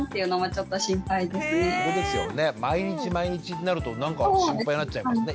毎日毎日になるとなんか心配になっちゃいますよね。